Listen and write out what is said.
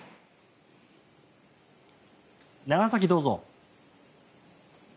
長崎、どうぞ。